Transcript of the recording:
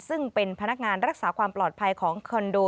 ซึ่งเป็นพนักงานรักษาความปลอดภัยของคอนโด